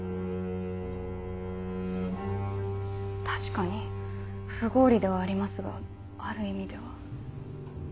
確かに不合理ではありますがある意味では。